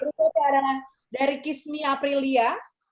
berikutnya ada dari kiss me aprilia